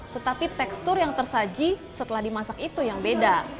tetapi tekstur yang tersaji setelah dimasak itu yang beda